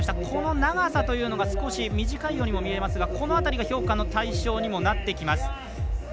この長さというのが少し短いようにも見えますがこの辺りが評価の対象にもなってきます。